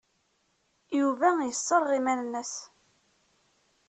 Yuba yesserɣ iman-nnes.